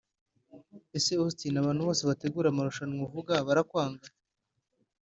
Ese Austin abantu bose bategura amarushanwa uvuga barakwanga